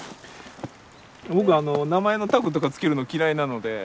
僕名前のタグとかつけるの嫌いなので。